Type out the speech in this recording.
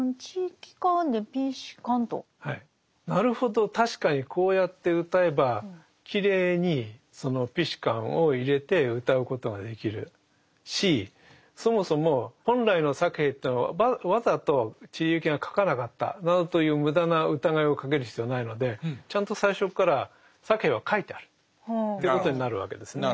なるほど確かにこうやってうたえばきれいにその「ピシカン」を入れてうたうことができるしそもそも本来のサケヘというのをわざと知里幸恵が書かなかったなどという無駄な疑いをかける必要はないのでちゃんと最初からサケヘは書いてあるということになるわけですね。